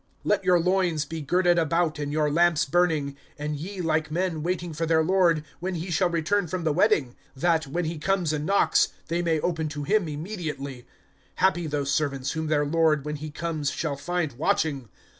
(35)Let your loins be girded about, and your lamps burning; (36)and ye like men waiting for their lord, when he shall return from the wedding; that, when he comes and knocks, they may open to him immediately. (37)Happy those servants, whom their lord when he comes shall find watching!